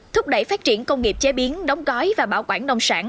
thúc đẩy phát triển công nghiệp chế biến đóng gói và bảo quản nông sản